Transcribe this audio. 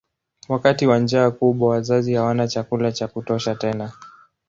Wakati wa njaa kubwa wazazi hawana chakula cha kutosha tena.